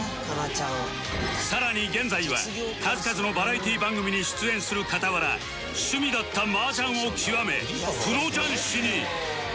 さらに現在は数々のバラエティー番組に出演する傍ら趣味だった麻雀を極めプロ雀士に！